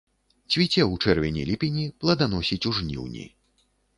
Цвіце ў чэрвені-ліпені, пладаносіць у жніўні.